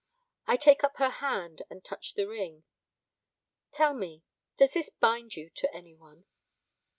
I take up her hand and touch the ring. 'Tell me, does this bind you to any one?'